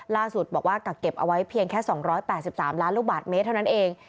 ล่าสุดบอกว่ากักเก็บเอาไว้เพียงแค่๒๘๓ล้านลูกบาทเมตรเท่านั้นเอง